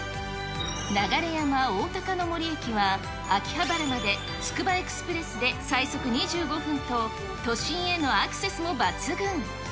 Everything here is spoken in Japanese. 流山おおたかの森駅は、秋葉原まで、つくばエクスプレスで最速２５分と、都心へのアクセスも抜群。